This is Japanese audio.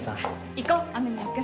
行こう雨宮くん。